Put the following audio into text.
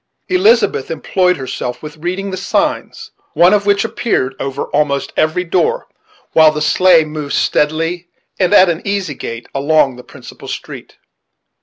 Elizabeth employed herself with reading the signs, one of which appeared over almost every door; while the sleigh moved steadily, and at an easy gait, along the principal street.